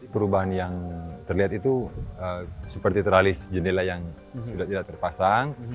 perubahan yang terlihat itu seperti teralis jendela yang sudah tidak terpasang